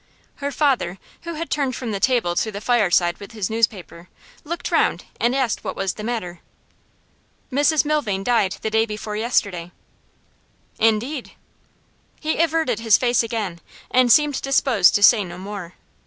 Her father, who had turned from the table to the fireside with his newspaper, looked round and asked what was the matter. 'Mrs Milvain died the day before yesterday.' 'Indeed!' He averted his face again and seemed disposed to say no more.